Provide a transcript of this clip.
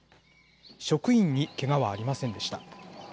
職員にけがはありませんでした。